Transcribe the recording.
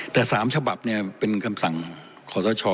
แต่๓ฉบับเนี่ยเป็นคำสั่งขอต้อชอ